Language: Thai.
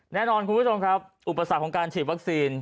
แน่นอนคุณผู้ชมครับอุปสรรคของการฉีดวัคซีน